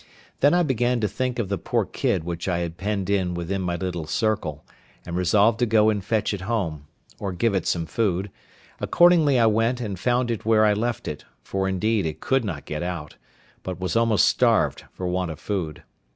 Then I began to think of the poor kid which I had penned in within my little circle, and resolved to go and fetch it home, or give it some food; accordingly I went, and found it where I left it, for indeed it could not get out, but was almost starved for want of food.